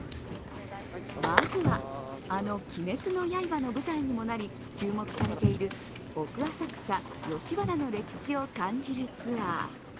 まずは、あの「鬼滅の刃」の舞台にもなり注目されている奥浅草・吉原の歴史を感じるツアー